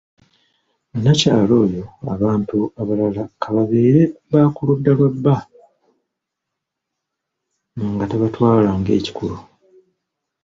Nnakyala oyo abantu abalala ka babeere ba ku ludda lwa bba nga tabatwala ng'ekikulu.